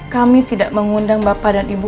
kami tidak mengundang bapak dan ibu